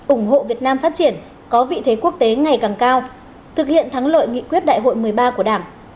ủng hộ việt nam phát triển có vị thế quốc tế ngày càng cao thực hiện thắng lợi nghị quyết đại hội một mươi ba của đảng